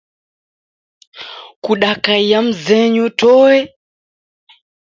Kuakaiya mzenyu toe?